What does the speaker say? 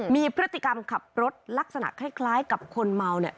มีพฤติกรรมขับรถลักษณะคล้ายกับคนเมา